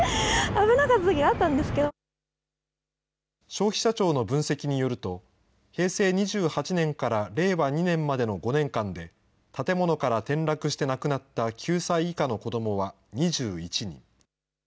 消費者庁の分析によると、平成２８年から令和２年までの５年間で、建物から転落して亡くなった９歳以下の子どもは２１人。